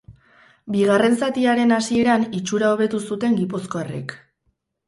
Bigarren zatiaren hasieran itxura hobetu zuten gipuzkoarrek.